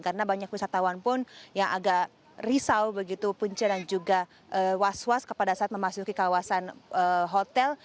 karena banyak wisatawan pun yang agak risau begitu punca dan juga was was kepada saat memasuki kawasan hotel